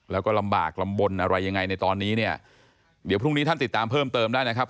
แล้วก็ลำบากลำบลอะไรยังไงในตอนนี้เนี่ยเดี๋ยวพรุ่งนี้ท่านติดตามเพิ่มเติมได้นะครับ